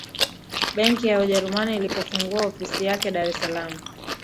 benki ya ujerumani ilipofungua ofisi yake dar es Salaam